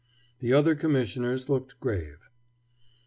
The other Commissioners looked grave.